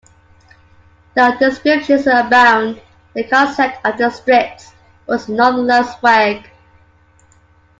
Though descriptions abound, the concept of the strix was nonetheless vague.